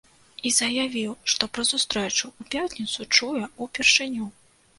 І заявіў, што пра сустрэчу ў пятніцу, чуе ў першыню.